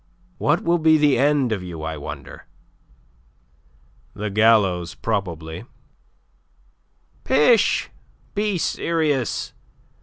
What will be the end of you, I wonder?" "The gallows, probably." "Pish! Be serious.